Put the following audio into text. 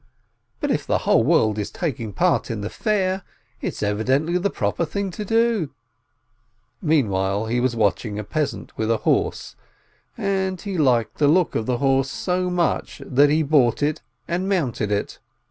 But if the whole world is taking part in the fair, it's evidently the proper thing to do ..." Meanwhile he was watching a peasant with a horse, and he liked the look of the horse so much that he bought it and mounted it.